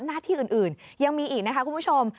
หน้าที่อื่นยังมีอีกนะคะคุณผู้ชม